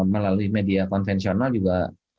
melalui media konvensional juga